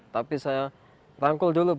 tapi saya rangkul dulu